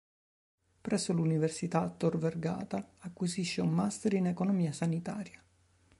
Presso l'Università “Tor Vergata” acquisisce un "master" in economia sanitaria.